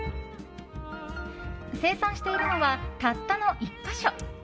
生産しているのはたったの１か所。